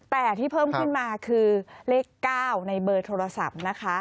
แต่ที่เพิ่มขึ้นมาคือเลข๙ในเบอร์โทรศัพท์นะคะ